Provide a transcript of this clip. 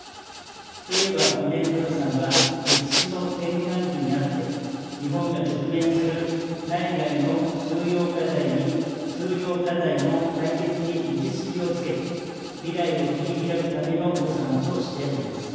令和５年度予算は、歴史の転換期にあって、日本が直面する内外の重要課題に、重要課題の解決に道筋をつけ、未来を切り拓くための予算としております。